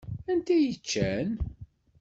Anta i yeččan?